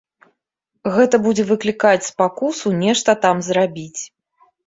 Гэта будзе выклікаць спакусу нешта там зрабіць.